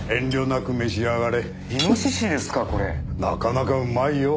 なかなかうまいよ。